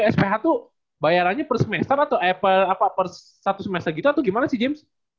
sph itu bayarannya per semester atau per satu semester gitu atau gimana sih james